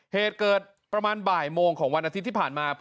เหตุเกิดประมาณบ่ายโมงของวันอาทิตย์ที่ผ่านมา